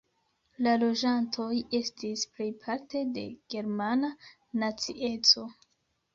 La loĝantoj estis plejparte de germana nacieco.